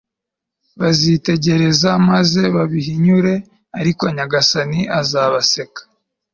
bazitegereza maze babihinyure ariko nyagasani azabaseka